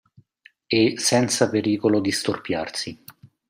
E senza pericolo di storpiarsi.